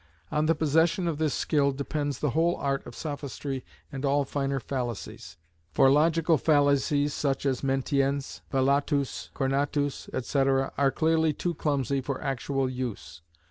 On the possession of this skill depends the whole art of sophistry and all finer fallacies; for logical fallacies such as mentiens, velatus, cornatus, &c., are clearly too clumsy for actual use.